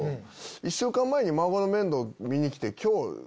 １週間前に孫の面倒見に来て。